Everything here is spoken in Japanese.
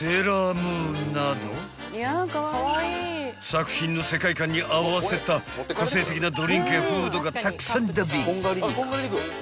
［作品の世界観に合わせた個性的なドリンクやフードがたくさんだべ］